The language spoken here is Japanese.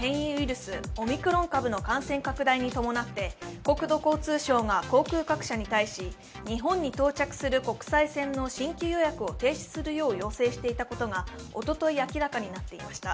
スオミクロン株の感染拡大に伴って国土交通省が航空各社に対し、日本に到着する国際線の新規予約を停止するよう要請していたことが、おととい明らかになっていました。